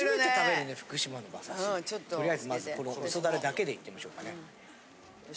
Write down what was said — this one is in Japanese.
とりあえずまずこの味噌ダレだけでいってみましょうかね。